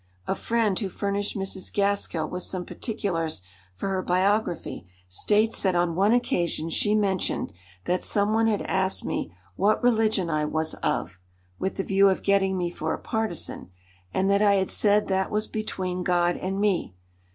A friend who furnished Mrs. Gaskell with some particulars for her biography, states that on one occasion she mentioned "that some one had asked me what religion I was of (with the view of getting me for a partisan), and that I had said that was between God and me.